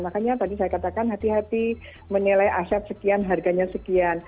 makanya tadi saya katakan hati hati menilai aset sekian harganya sekian